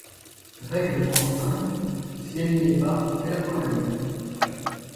Règle trente-cinq :« Si elle n’y est pas : fais-la toi-même.